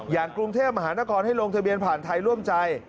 อย่างกรุงเทพมหานครให้ลงทะเบียนผ่านไทยร่วมใจ